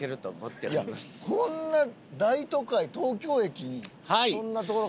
いやこんな大都会東京駅にそんな所がある？